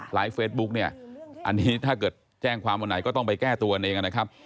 เฟซบุ๊กเนี่ยอันนี้ถ้าเกิดแจ้งความวันไหนก็ต้องไปแก้ตัวกันเองนะครับ